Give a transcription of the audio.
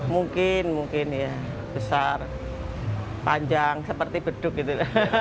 mungkin mungkin ya besar panjang seperti beduk gitu